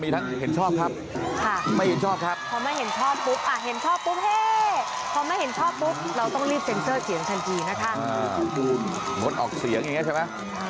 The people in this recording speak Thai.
มดออกเสียงอย่างเงี้ยใช่ปะ